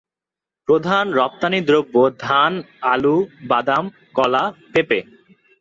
প্রধান রপ্তানিদ্রব্য ধান, আলু, বাদাম, কলা, পেঁপে।